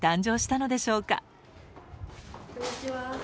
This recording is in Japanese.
こんにちは。